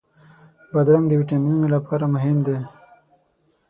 بادرنګ د ویټامینونو لپاره مهم دی.